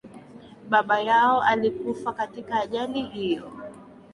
baba yao alikufa katika ajali hiyo